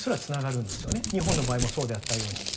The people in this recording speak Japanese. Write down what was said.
日本の場合もそうであったように。